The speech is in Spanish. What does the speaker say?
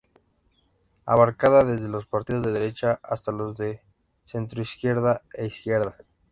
Abarcaba desde los partidos de derecha hasta los de centroizquierda e izquierda.